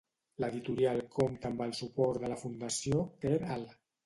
L'editorial compta amb el suport de la Fundació Quer Alt.